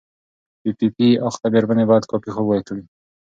پی پي پي اخته مېرمنې باید کافي خوب وکړي.